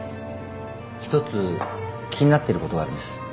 一つ気になっていることがあるんです。